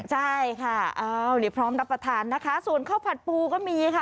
ใช่ค่ะอ้าวนี่พร้อมรับประทานนะคะส่วนข้าวผัดปูก็มีค่ะ